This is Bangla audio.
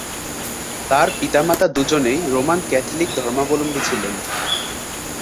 তার পিতামাতা দুজনেই রোমান ক্যাথলিক ধর্মাবলম্বী ছিলেন।